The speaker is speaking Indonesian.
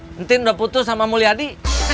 penting udah putus sama mulyadi